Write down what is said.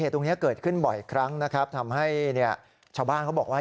ตรงนี้เกิดขึ้นบ่อยครั้งนะครับทำให้ชาวบ้านเขาบอกว่า